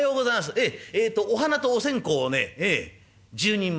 えっとお花とお線香をね１０人前。